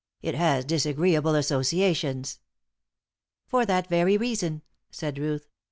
"It has disagreeable associations." "For that very reason," said Ruth.